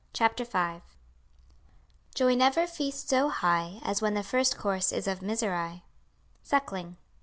CHAPTER FIFTH. "Joy never feasts so high As when the first course is of misery." SUCKLING.